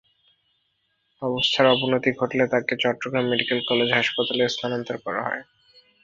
অবস্থার অবনতি ঘটলে তাঁকে চট্টগ্রাম মেডিকেল কলেজ হাসপাতালে স্থানান্তর করা হয়।